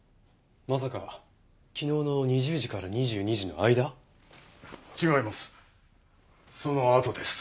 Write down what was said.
まさか昨日の２０時から２２時の間？違います。